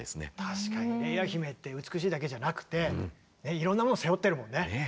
確かにレイア姫って美しいだけじゃなくていろんなものを背負ってるもんね。